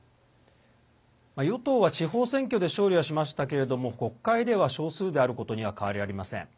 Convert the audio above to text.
与党は地方選挙で勝利はしましたけれども国会では少数であることには変わりありません。